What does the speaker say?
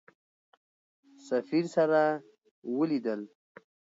سفیر سره ولیدل.